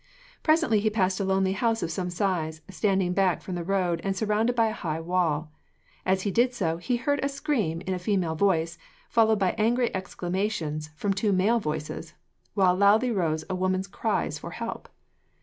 Presently, he passed a lonely house of some size, standing back from the road and surrounded by a high wall. As he did so, he heard a scream in a female voice, followed by angry exclamations from two male voices, while loudly rose a woman's cries for help.